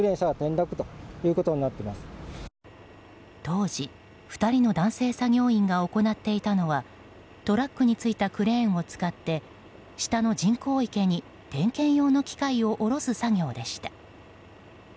当時、２人の男性作業員が行っていたのはトラックに付いたクレーンを使って下の人工池に点検用の機械を下ろす作業でした。